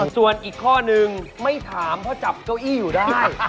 ส่วนอีกข้อนึงไม่ถามเพราะจับเก้าอี้อยู่ได้